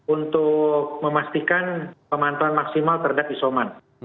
untuk memastikan pemantauan maksimal terhadap isoman